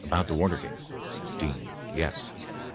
About the Watergate? D. Yes.